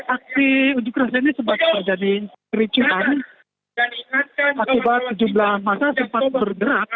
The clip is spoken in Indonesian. aksi unjuk rasa ini sebab terjadi kericuhan akibat sejumlah mata sempat bergerak